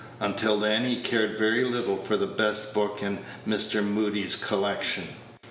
Until then, he cared very little for the best book in Mr. Mudie's collection.